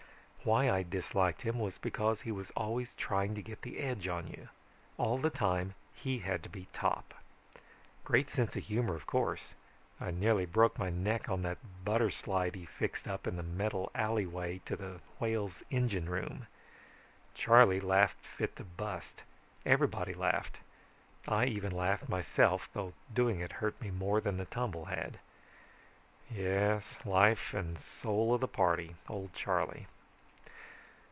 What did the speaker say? Why I disliked him was because he was always trying to get the edge on you. All the time he had to be top. Great sense of humor, of course. I nearly broke my neck on that butter slide he fixed up in the metal alleyway to the Whale's engine room. Charley laughed fit to bust, everyone laughed, I even laughed myself though doing it hurt me more than the tumble had. Yes, life and soul of the party, old Charley